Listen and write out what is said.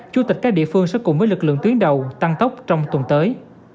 chủ tịch các địa phương sẽ cùng với lực lượng tuyến đầu tăng tốc trong tuần tới